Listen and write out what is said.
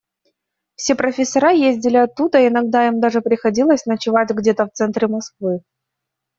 Все профессора ездили оттуда, иногда им даже приходилось ночевать где-то в центре Москвы.